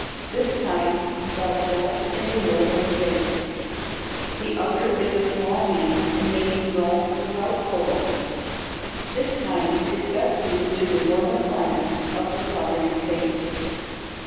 This kind does best in the Northern states. The other is a small bean and may be grown without poles. This kind is best suited to the warmer climates of the Southern states.